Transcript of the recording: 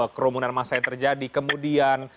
kerumunan masyarakat terjadi kemudian